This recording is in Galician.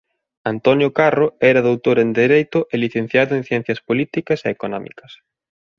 Antonio Carro era doutor en Dereito e licenciado en Ciencias Políticas e Económicas.